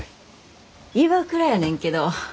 ＩＷＡＫＵＲＡやねんけど。